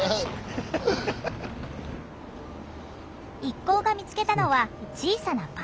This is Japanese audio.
一行が見つけたのは小さなパン屋。